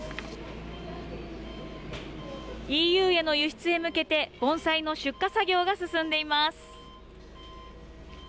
ＥＵへの輸出へ向けて盆栽の出荷作業が進んでいます。